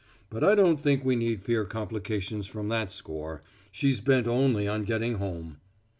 But I don't think we need fear complications from that score; she's bent only on getting home."